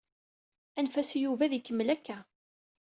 Anef-as i Yuba ad ikemmel akka.